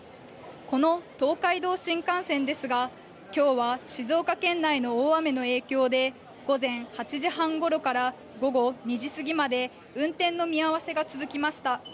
この東海道新幹線ですが、きょうは静岡県内の大雨の影響で、午前８時半ごろから午後２時過ぎまで運転の見合わせが続きました。